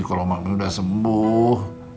kalau mami udah sembuh